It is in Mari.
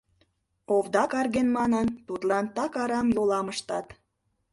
«Овда карген» манын, тудлан так арам йолам ыштат.